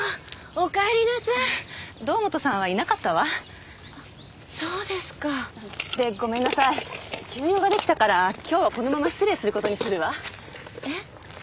おかえりなさい堂本さんはいなかったわそうですかでごめんなさい急用ができたから今日はこのまま失礼することにするわえっ？